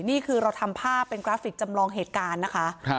นี่คือเราทำภาพเป็นกราฟิกจำลองเหตุการณ์นะคะ